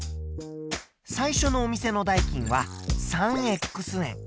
最初のお店の代金は３円。